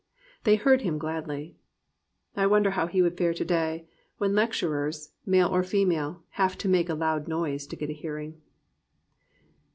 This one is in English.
They heard him gladly. I wonder how he would fare today, when lec turers, male or female, have to make a loud noise to get a hearing.